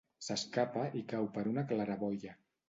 S'escapa i cau per una claraboia.